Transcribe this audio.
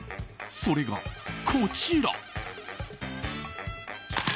それが、こちら。